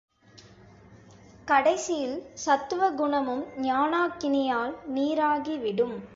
கடைசியில் சத்துவகுண மனமும் ஞானாக்கினியால் நீறாகி விடும்.